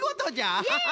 アハハ。